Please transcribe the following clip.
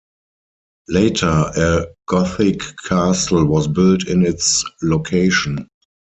Later a Gothic castle was built in its location.